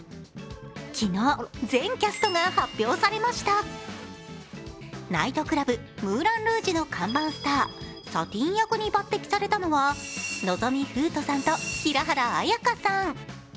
昨日、全キャストが発表されましたナイトクラブ、ムーラン・ルージュの看板スター、サティーン役に抜てきされたのは望海風斗さんと平原綾香さん。